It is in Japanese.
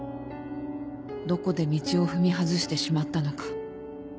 どこで道を踏み外してしまったのか